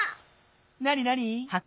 なになに？